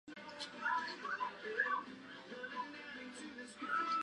Jack alcanza a Kate y la recrimina por dejar abandonada la estación El Cisne.